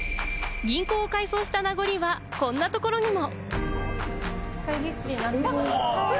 銀行を改装した名残は、こんなところにも。